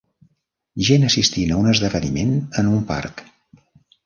Gent assistint a un esdeveniment en un parc.